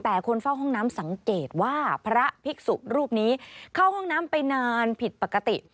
แต่คนเฝ้าห้องน้ำสังเกตว่าพระภิกษุรูปนี้เข้าห้องน้ำไปนานผิดปกติ